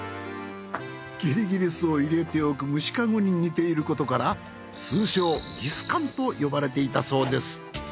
キリギリスを入れておく虫かごに似ていることから通称ギス監と呼ばれていたそうです。